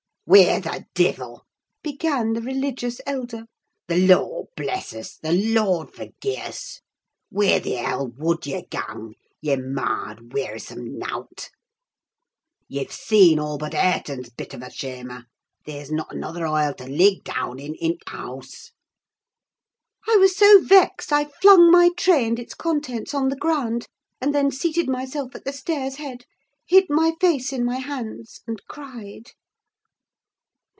"Whear the divil?" began the religious elder. "The Lord bless us! The Lord forgie us! Whear the hell wold ye gang? ye marred, wearisome nowt! Ye've seen all but Hareton's bit of a cham'er. There's not another hoile to lig down in i' th' hahse!" I was so vexed, I flung my tray and its contents on the ground; and then seated myself at the stairs' head, hid my face in my hands, and cried.